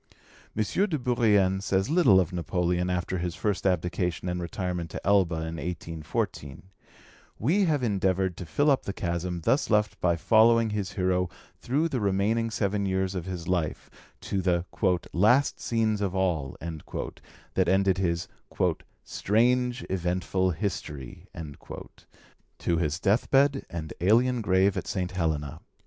M. de Bourrienne says little of Napoleon after his first abdication and retirement to Elba in 1814: we have endeavoured to fill up the chasm thus left by following his hero through the remaining seven years of his life, to the "last scenes of all" that ended his "strange, eventful history," to his deathbed and alien grave at St. Helena.